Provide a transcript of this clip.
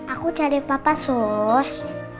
aku cari papa sus